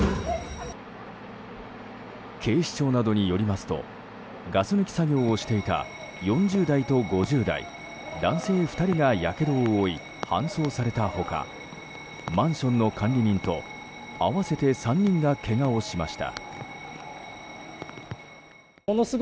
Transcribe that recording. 警視庁などによりますとガス抜き作業をしていた４０代と５０代男性２人がやけどを負い搬送された他マンションの管理人と合わせて３人がけがをしました。